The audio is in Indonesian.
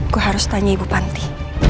gue harus tanya ibupanti